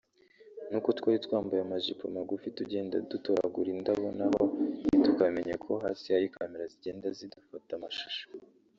nuko twari twambaye amajipo magufi tugenda dutoragura indabo naho ntitukamenye ko hasi hari Camera zigenda zidufata amashusho